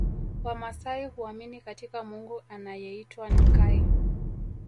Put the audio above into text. Wamasai huamini katika Mungu anayeitwa Nkai